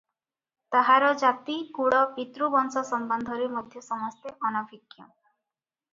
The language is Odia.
ତାହାର ଜାତି, କୁଳ, ପିତୃ ବଂଶ ସମ୍ବନ୍ଧରେ ମଧ୍ୟ ସମସ୍ତେ ଅନଭିଜ୍ଞ ।